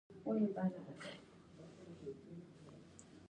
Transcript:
د ټیمونو مافیایي ډلې پر مهمو چوکیو یو بل ته ډغرې ورکوي.